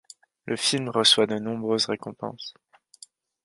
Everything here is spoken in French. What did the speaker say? Le film reçoit de nombreuses récompenses.